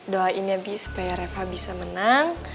doain ya bi supaya reva bisa menang